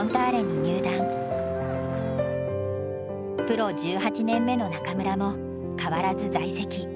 プロ１８年目の中村も変わらず在籍。